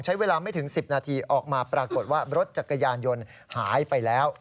ใช้เวลาไม่ถึง๑๐นาทีออกมาปรากฏว่ารถจักรยานยนต์หายไปแล้ว